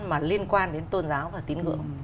mà liên quan đến tôn giáo và tín ngưỡng